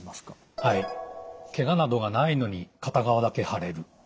ケガなどがないのに片側だけ腫れる。